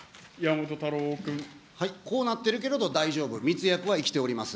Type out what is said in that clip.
こうなっているけれど大丈夫、密約は生きております。